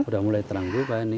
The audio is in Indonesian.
sudah mulai terang juga ini